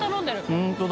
本当だ。